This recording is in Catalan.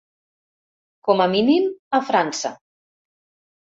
Com a mínim, a França.